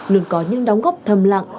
luôn có những đóng góp thầm lặng